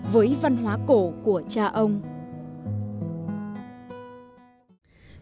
với văn hóa cổ của đình làng việt